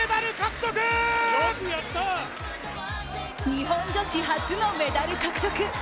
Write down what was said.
日本女子初のメダル獲得。